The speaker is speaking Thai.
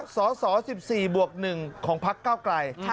สส๑๔บวก๑ของพักเก้าไกล